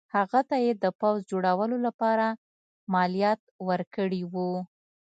هغه ته یې د پوځ جوړولو لپاره مالیات ورکړي وو.